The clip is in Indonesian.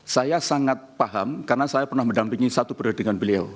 saya sangat paham karena saya pernah mendampingi satu periode dengan beliau